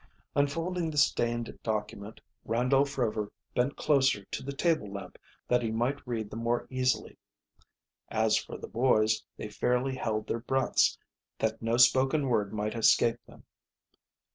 Unfolding the stained document, Randolph Rover bent closer to the table lamp that he might read the more easily. As for the boys, they fairly held their breaths, that no spoken word might escape them.